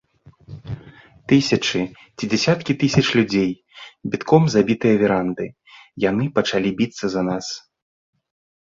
Тысячы ці дзясяткі тысяч людзей, бітком забітыя веранды, яны пачалі біцца за нас.